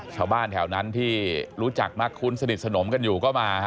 ชาวบ้านแถวที่รู้จักมักคุ้นสนิทสนมก็มา